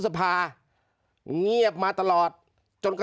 เจ้าหน้าที่แรงงานของไต้หวันบอก